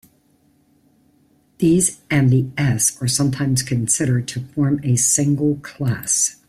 These and the s are sometimes considered to form a single class.